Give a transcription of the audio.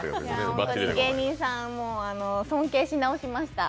芸人さん、尊敬し直しました。